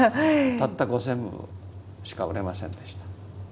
たった５，０００部しか売れませんでした。